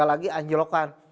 tiga lagi anjlokan